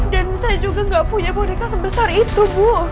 dan saya juga gak punya boneka sebesar itu bu